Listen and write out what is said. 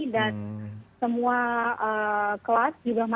dan semua kelas juga mengajar